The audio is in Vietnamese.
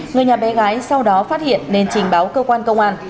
người nhà bé gái sau đó phát hiện nên trình báo cơ quan công an